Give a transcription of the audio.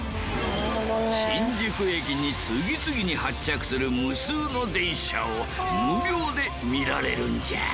新宿駅に次々に発着する無数の電車を無料で見られるんじゃ。